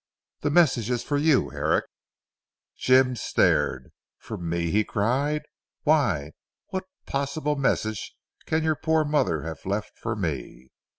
"The message is for you Herrick." Dr. Jim stared. "For me!" he cried. "Why, what possible message can your poor mother have left for me?"